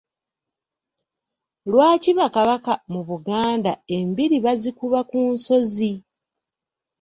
Lwaki Bakabaka mu Buganda embiri bazikuba ku nsozi?